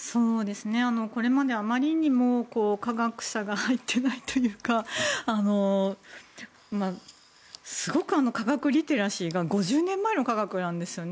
これまで、あまりにも科学者が入っていないというかすごく科学リテラシーが５０年前の科学なんですよね。